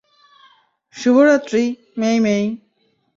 শুভরাত্রি, মেই-মেই।